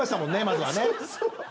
まずはね。